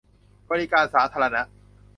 บริการสาธารณะ